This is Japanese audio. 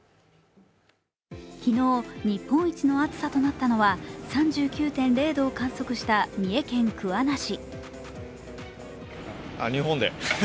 昨日、日本一の暑さとなったのは３９．０度を観測した三重県桑名市。